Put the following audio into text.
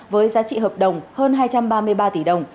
với giá trị hợp đồng hơn hai trăm ba mươi ba tỷ đồng